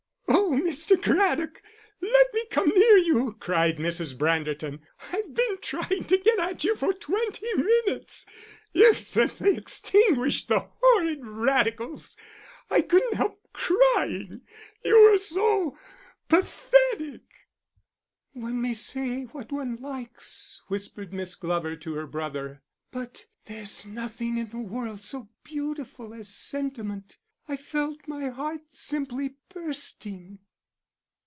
"Oh, Mr. Craddock, let me come near you," cried Mrs. Branderton. "I've been trying to get at you for twenty minutes.... You've simply extinguished the horrid Radicals; I couldn't help crying, you were so pathetic." "One may say what one likes," whispered Miss Glover to her brother, "but there's nothing in the world so beautiful as sentiment. I felt my heart simply bursting."